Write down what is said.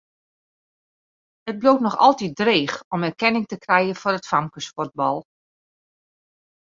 It bliuwt noch altyd dreech om erkenning te krijen foar it famkesfuotbal.